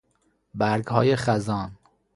برگهای خزان